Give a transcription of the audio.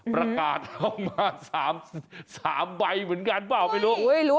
ประกาศเอามา๓ใบเหมือนกันเปล่าไม่รู้